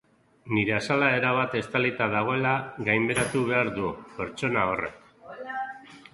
Nire azala erabat estalita dagoela gainbegiratu behar du pertsona horrek.